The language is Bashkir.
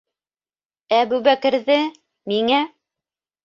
Әбүбәкерҙе... миңә...